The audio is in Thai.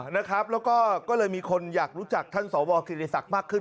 นะครับแล้วก็ก็เลยมีคนอยากรู้จักท่านสวศิริษักรมากขึ้น